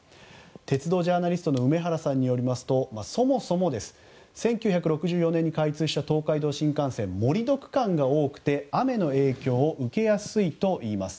鉄道ジャーナリストの梅原さんによりますとそもそも１９６４年に開通した東海道新幹線は盛り土区間が多く雨の影響を受けやすいといいます。